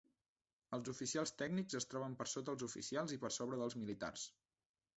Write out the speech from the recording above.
Els oficials tècnics es troben per sota els oficials i per sobre dels militars.